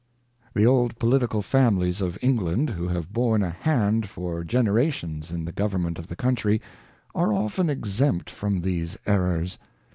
The old political families of England, who have borne a hand for generations in the government of the country, are often exempt from these errors.